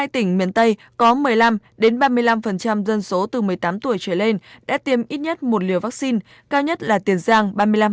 một mươi tỉnh miền tây có một mươi năm ba mươi năm dân số từ một mươi tám tuổi trở lên đã tiêm ít nhất một liều vaccine cao nhất là tiền giang ba mươi năm